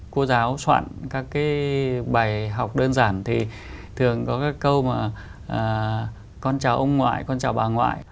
cô giáo soạn các cái bài học đơn giản thì thường có các câu mà con chào ông ngoại con chào bà ngoại